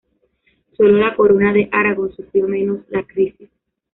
Sólo la Corona de Aragón sufrió menos la crisis.